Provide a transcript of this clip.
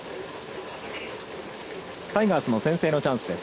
タイガースの先制のチャンスです。